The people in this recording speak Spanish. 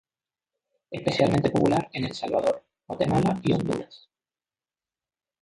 Especialmente popular en El Salvador, Guatemala y Honduras.